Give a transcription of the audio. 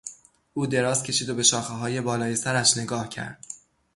او دراز کشید و به شاخههای بالای سرش نگاه کرد.